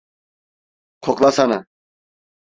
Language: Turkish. Koklasana.